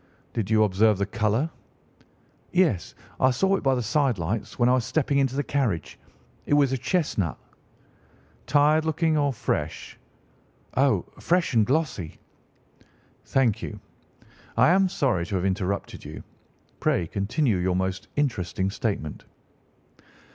"Did you observe the colour?" "Yes, I saw it by the side lights when I was stepping into the carriage. It was a chestnut." "Tired looking or fresh?" "Oh, fresh and glossy." "Thank you. I am sorry to have interrupted you. Pray continue your most interesting statement."